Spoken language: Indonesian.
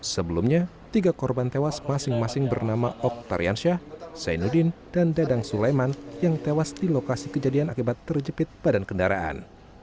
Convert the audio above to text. sebelumnya tiga korban tewas masing masing bernama oktariansyah zainuddin dan dadang sulaiman yang tewas di lokasi kejadian akibat terjepit badan kendaraan